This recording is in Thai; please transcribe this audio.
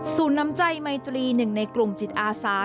น้ำใจไมตรีหนึ่งในกลุ่มจิตอาสา